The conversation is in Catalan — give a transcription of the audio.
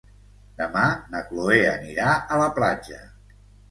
Demà na Chloé anirà a la platja.